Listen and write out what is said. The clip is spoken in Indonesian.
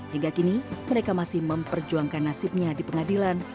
hingga kini mereka masih memperjuangkan nasibnya di pengadilan